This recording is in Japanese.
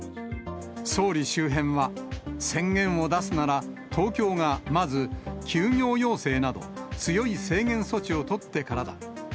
総理周辺は、宣言を出すなら、東京がまず休業要請など、強い制限措置を取ってからだ。